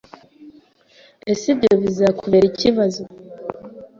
Ese ibyo bizakubera ikibazo?